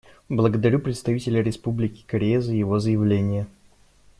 Благодарю представителя Республики Корея за его заявление.